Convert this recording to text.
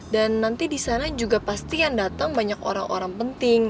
dan nanti di sana juga pasti yang datang banyak orang orang penting